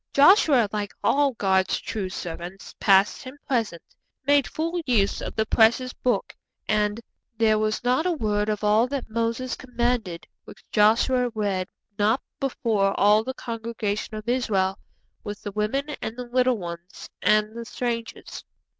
Joshua, like all God's true servants past and present, made full use of the precious Book, and, '_There was not a word of all that Moses commanded, which Joshua read not before all the congregation of Israel, with the women, and the little ones, and the strangers.